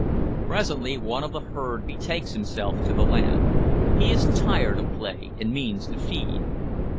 Presently one of the herd betakes himself to the land. He is tired of play, and means to feed.